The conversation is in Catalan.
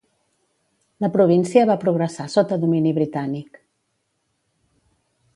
La província va progressar sota domini britànic.